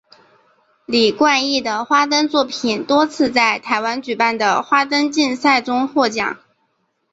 李冠毅的花灯作品多次在台湾举办的花灯竞赛中获奖。